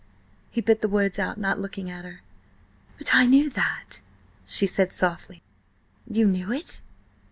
He bit the words out, not looking at her. "But I knew that," she said softly. "You knew it?"